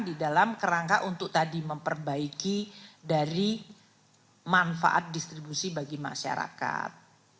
di dalam kerangka untuk tadi memperbaiki dari manfaat distribusi bagi masyarakat